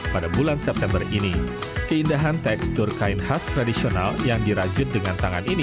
pada bulan september ini keindahan tekstur kain khas tradisional yang dirajut dengan tangan ini